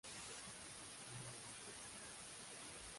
no hubiste comido